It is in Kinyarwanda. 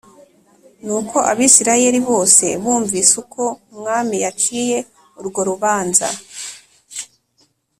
“nuko abisirayeli bose bumvise uko umwami yaciye urwo rubanza,